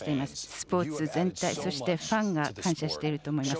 スポーツ全体、そしてファンが感謝していると思います。